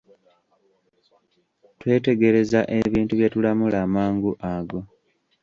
Twetegereza ebintu bye tulamula amangu ago.